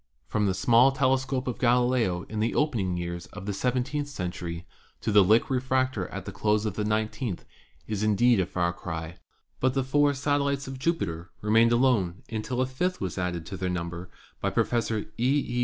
From the small telescope of Galileo in the opening years of the seventeenth century to the Lick refractor at the close of the nineteenth is indeed a far cry, but the four satellites of Jupiter remained alone until a fifth was added to their number by Professor E. E.